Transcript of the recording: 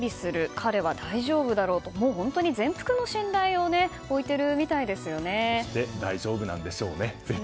彼は大丈夫だろうと全幅の信頼をそして、大丈夫なんでしょうね。